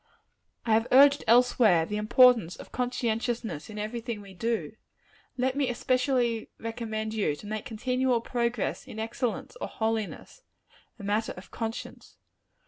I have urged, elsewhere, the importance of conscientiousness in every thing we do: let me especially recommend you to make continual progress in excellence or holiness, a matter of conscience.